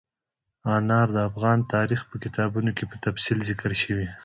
انار د افغان تاریخ په کتابونو کې په تفصیل ذکر شوي دي.